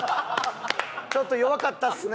ちょっと弱かったっすね。